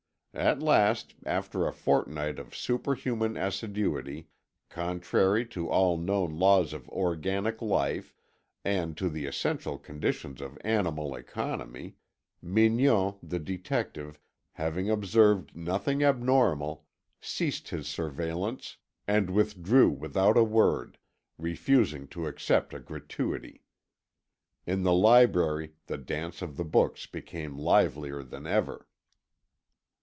At last, after a fortnight of superhuman assiduity, contrary to all known laws of organic life, and to the essential conditions of animal economy, Mignon, the detective, having observed nothing abnormal, ceased his surveillance and withdrew without a word, refusing to accept a gratuity. In the library the dance of the books became livelier than ever.